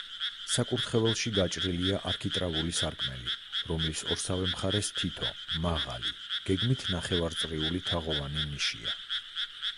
საკურთხეველში გაჭრილია არქიტრავული სარკმელი, რომლის ორსავე მხარეს თითო, მაღალი, გეგმით ნახევარწრიული, თაღოვანი ნიშია.